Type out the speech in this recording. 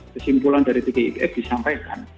kesimpulan dari tgpf disampaikan